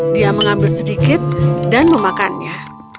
dia mengambil sedikit dan memakannya